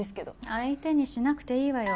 相手にしなくていいわよ。